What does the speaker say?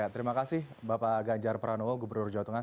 terima kasih bapak ganjar pranowo gubernur jawa tengah